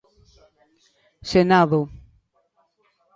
Senado.